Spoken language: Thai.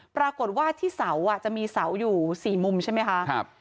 ปรากฏว่าที่เสาจะมีเสาอยู่๔มุมใช่ไหมคะ